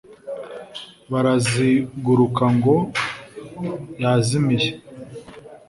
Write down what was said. baraziguruka ngo yazimiye.